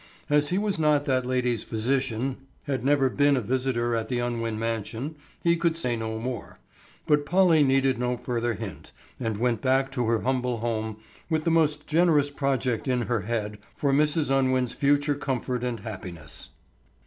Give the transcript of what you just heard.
As he was not that lady's physician, had never been even a visitor at the Unwin mansion, he could say no more. But Polly needed no further hint, and went back to her own humble home with the most generous projects in her head for Mrs. Unwin's future comfort and happiness.